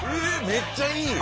めっちゃいい！